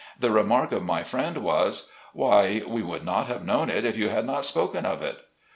The remark of my friend was, " Why, we would not have known it, if you had not spoken of it."